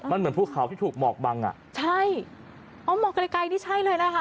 มันเหมือนภูเขาที่ถูกหมอกบังอ่ะใช่อ๋อหมอกไกลไกลนี่ใช่เลยนะคะ